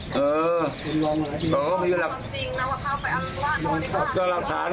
พ่อร้องภาพจริงพ่อร้องภาพจริง